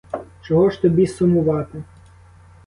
Чого ж тобі сумувати?